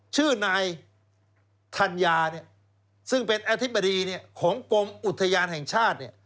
ชื่อนายธัญญาเนี่ยซึ่งเป็นอธิบดีของกรมอุทยานแห่งชาติ